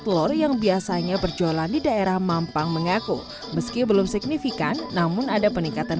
telur yang biasanya berjualan di daerah mampang mengaku meski belum signifikan namun ada peningkatan